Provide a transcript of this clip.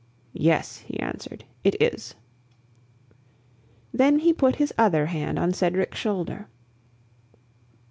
"Yes," he answered, "it is." Then he put his other hand on Cedric's shoulder.